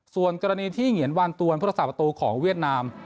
ส่วนกรณีที่เหงียนวานตวนพุทธศาสประตูของเวียดนาม